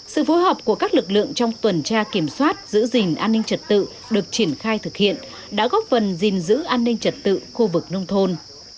sự phối hợp của các lực lượng trong tuần tra kiểm soát giữ gìn an ninh trật tự được triển khai thực hiện đã góp phần gìn giữ an ninh trật tự khu vực nông thôn